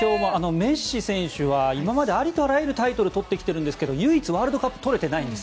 メッシ選手は今までありとあらゆるタイトルを取ってきているんですが唯一、ワールドカップ取れていないんです。